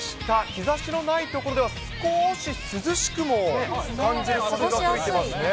日ざしのない所では、少し涼しくも感じる風が吹いてますね。